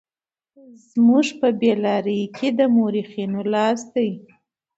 زموږ په بې لارۍ کې د مورخينو لاس دی.